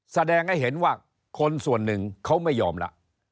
แสดงให้เห็นว่าคนส่วนหนึ่งเขาไม่ยอมละ